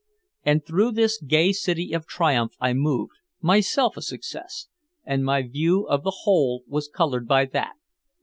And through this gay city of triumph I moved, myself a success, and my view of the whole was colored by that.